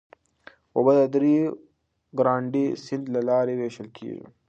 اوبه د ریو ګرانډې سیند له لارې وېشل کېږي.